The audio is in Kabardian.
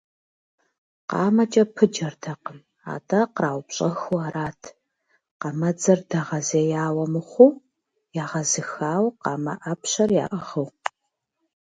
КъамэкӀэ пыджэртэкъым, атӀэ къраупщӀэхыу арат, къамэдзэр къыдэгъэзеяуэ мыхъуу, егъэзыхауэ, къамэ Ӏэпщэр яӀыгъыу.